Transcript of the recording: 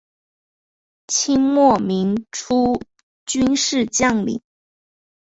清末民初军事将领。